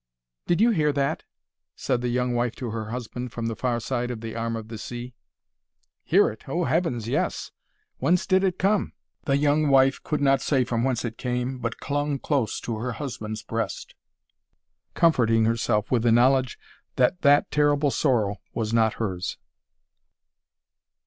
"Did you hear that?" said the young wife to her husband, from the far side of the arm of the sea. "Hear it! Oh Heaven, yes! Whence did it come?" The young wife could not say from whence it came, but clung close to her husband's breast, comforting herself with the knowledge that that terrible sorrow was not hers.